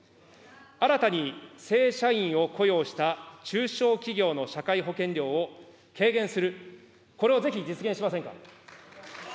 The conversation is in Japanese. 新たに正社員を雇用した中小企業の社会保険料を軽減する、これをぜひ実現しませんか。